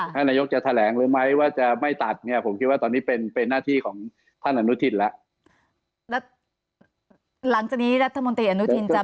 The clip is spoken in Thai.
ท่านนายกจะแถลงหรือไม่ว่าจะไม่ตัดเนี่ยผมคิดว่าตอนนี้เป็นเป็นหน้าที่ของท่านอนุทินแล้ว